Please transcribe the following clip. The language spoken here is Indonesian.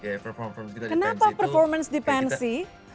kenapa performance di pensy